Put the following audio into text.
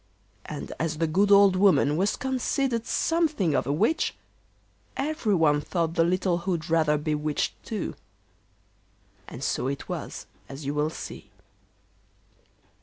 And as the good old woman was considered something of a witch, everyone thought the little hood rather bewitched too. And so it was, as you will see.